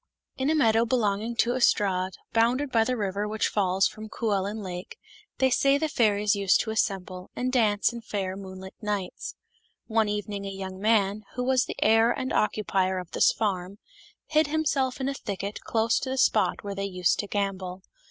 " T N a meadow belonging to Ystrad, bounded by J the river which falls from Cwellyn Lake, they say the fairies used to assemble, and dance in fair moonlight nights. One evening a young man, who was the heir and occupier of this farm, hid himself in a thicket close to the spot where they used to gambol.